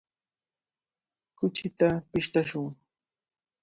Kuchita pishtashun.